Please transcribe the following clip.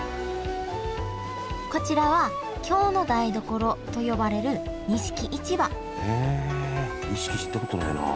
こちらは京の台所と呼ばれる錦市場へえ錦行ったことないな。